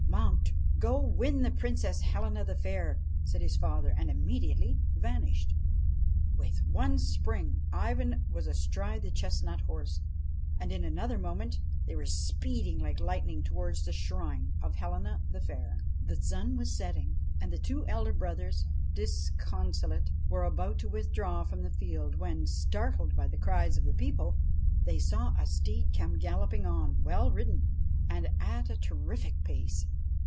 'Mount I Go, win the Princess Helena the Fairl' said his father, and immediately vanished. With one spring Ivan was astride the chestnut horse, and, in another moment, they were speeding like lightning towards the shrine of Helena the Fair. The sun was setting, and the two elder brothers, disconsolate, were about to withdraw from the field, when, startled by the cries of the people, they saw a steed come galloping on, well ridden, and at a terrific pace.